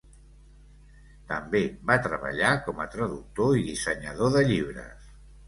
També va treballar com a traductor i dissenyador de llibres.